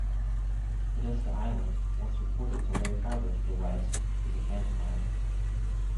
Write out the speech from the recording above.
Podesta Island, once reported to lay farther to the west, is a phantom island.